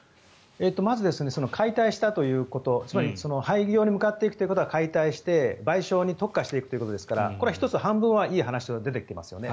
まず、解体したということつまり廃業に向かっていくということは解体して賠償に特化していくっていうことですからこれは１つ、半分はいい話が出てきていますよね。